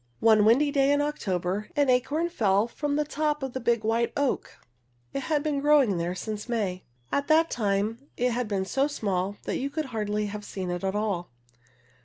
One windy day in October, an acorn fell from the top of a big white oak. It had been growing there since May. At that time it had been so small that you could hardly have seen it at all.